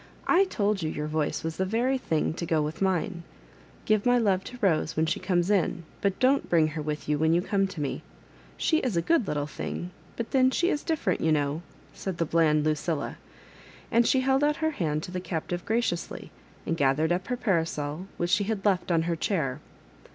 I told you your voice was the very thing to go with mine. Give my love to Rose when she oomes in, but don't bring her with you when you oome to me. She is a good little thing— but then she is different, you know," said the bland Lucilla ; and she held out her hand to her cap tive graciously, and gathered up her parasol, which she had left on her chair.